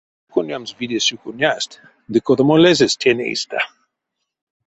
Сюконямс, виде, сюконясть, ды кодамо лезэсь тень эйстэ?